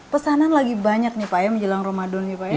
pesanan lagi banyak nih pak ya menjelang ramadan ya pak ya